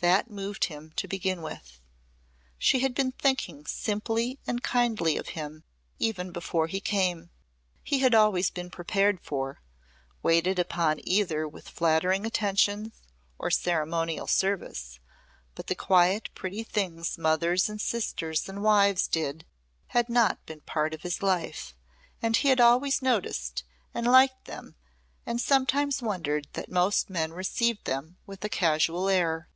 That moved him to begin with. She had been thinking simply and kindly of him even before he came. He had always been prepared for, waited upon either with flattering attentions or ceremonial service, but the quiet pretty things mothers and sisters and wives did had not been part of his life and he had always noticed and liked them and sometimes wondered that most men received them with a casual air.